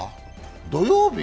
土曜日？